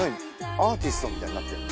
アーティストみたいになってんの？